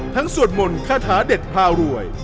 ทั้งสวดมนต์ค่าฐาเด็ดพารวย